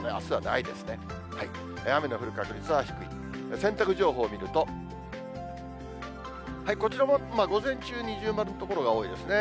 洗濯情報見ると、こちらも午前中、二重丸の所が多いですね。